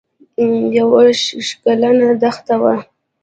یوه شګلنه دښته وه.